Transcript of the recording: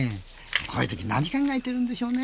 こういうとき何考えているんでしょうね。